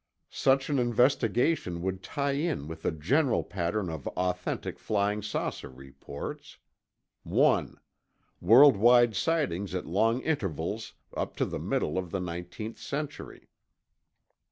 Such an investigation would tie in with the general pattern of authentic flying saucer reports: 1. World wide sightings at long intervals up to the middle of the nineteenth century.